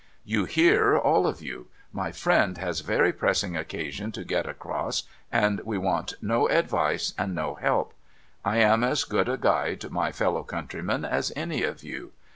' You hear, all of you. My friend has very pressing occasion to get across, and we want no advice and no help. I am as good a guide, my fellow countrymen, as any of you.